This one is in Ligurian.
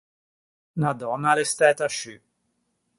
Unna dònna a l’é stæta sciù.